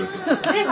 えっ？